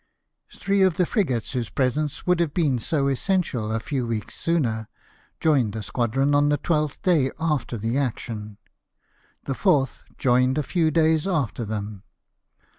Three of the frigates whose presence would have been so essential a few weeks sooner, joined the squadron on the twelfth day after the action. The fourth joined a few days after them.